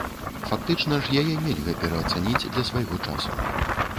Фактычна ж яе нельга пераацаніць для свайго часу.